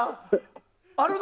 あるの？